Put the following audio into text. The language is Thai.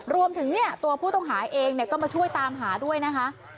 รวมถึงตัวผู้ต้องหาเองก็มาช่วยตามหาด้วยนะคะ